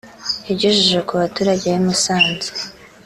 yageje ku baturage b’i Musanze